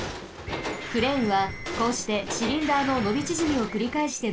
クレーンはこうしてシリンダーののびちぢみをくりかえしてのぼります。